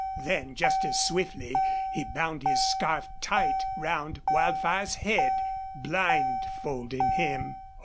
Then, just as swiftly, he bound his scarf tight round Wildfire's head, blindfolding him.